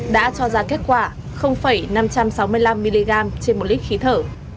đã cho ra kết quả năm trăm sáu mươi năm mg trên một lít khí thở